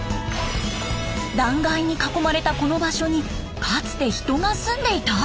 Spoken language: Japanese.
断崖に囲まれたこの場所にかつて人が住んでいた！？